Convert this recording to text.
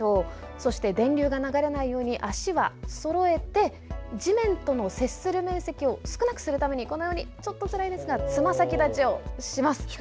そして電流が流れないように足をそろえて地面との接する面積を少なくするためにこのようにちょっとつらいですがつま先立ちをします。